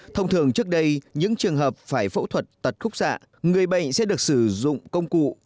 thông thường trước đây những trường hợp phải phẫu thuật tật khúc xạ người bệnh sẽ được sử dụng công cụ